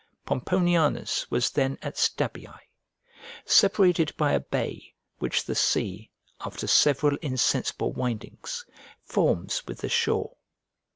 Pomponianus was then at Stabiae, separated by a bay, which the sea, after several insensible windings, forms with the shore.